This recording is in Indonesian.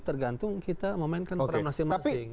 tergantung kita memainkan peran masing masing